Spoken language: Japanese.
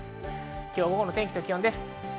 今日の午後の天気と気温です。